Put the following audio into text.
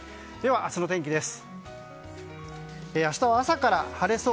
明日の天気です。